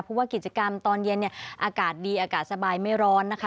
เพราะว่ากิจกรรมตอนเย็นเนี่ยอากาศดีอากาศสบายไม่ร้อนนะคะ